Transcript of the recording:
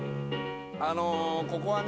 あのここはね